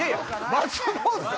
松本さん。